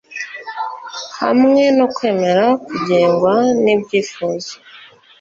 hamwe no kwemera kugengwa nibyifuzo